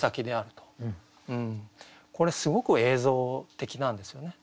これすごく映像的なんですよね。